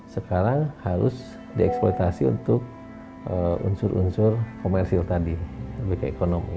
sekarang harus dieksploitasi untuk unsur unsur komersil tadi lebih ke ekonomi